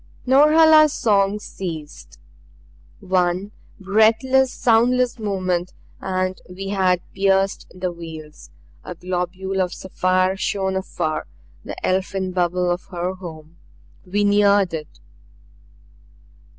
Norhala's song ceased. One breathless, soundless moment and we had pierced the veils. A globule of sapphire shone afar, the elfin bubble of her home. We neared it.